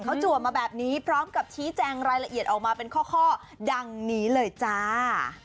เขาจัวมาแบบนี้พร้อมกับชี้แจงรายละเอียดออกมาเป็นข้อดังนี้เลยจ้า